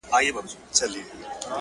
• د تل لپاره؛